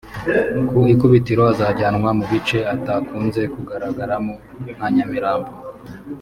Ku ikubitiro azajyanwa mu bice atakunze kugaragaramo nka Nyamirambo